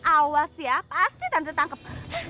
awas siapa sih tante tangkap